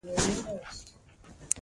زه د اسمان نیلي رنګ ته ګورم.